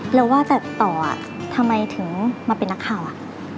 แล้วว่าแต่ต่ออ่ะทำไมถึงมาเป็นนักข่าวอ่ะ